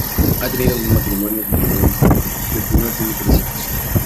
Ha tenido dos matrimonios, del primero tiene tres hijos.